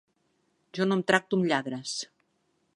Jo no em tracto amb lladres.